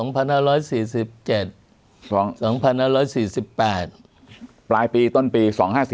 ปลายปีต้นปี